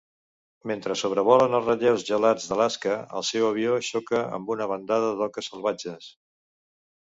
Mentre sobrevolen els relleus gelats d'Alaska, el seu avió xoca amb una bandada d'oques salvatges.